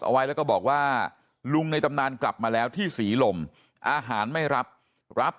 เอาไว้แล้วก็บอกว่าลุงในตำนานกลับมาแล้วที่ศรีลมอาหารไม่รับรับ